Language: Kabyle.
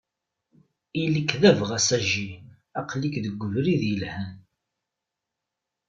Ili-k d abɣas a Jean, aql-ik deg ubrid yelhan.